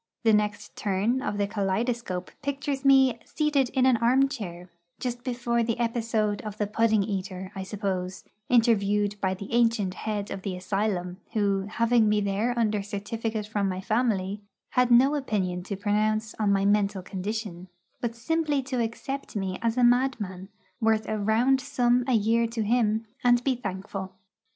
The next turn of the kaleidoscope pictures me seated in an armchair, just before the episode of the pudding eater, I suppose, interviewed by the ancient head of the asylum, who, having me there under certificate from my family, had no opinion to pronounce on my mental condition, but simply to accept me as a madman, worth a round sum a year to him, and be thankful.